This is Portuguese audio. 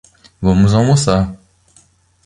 Vamos almoçar